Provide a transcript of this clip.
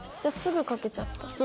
すぐ描けちゃった。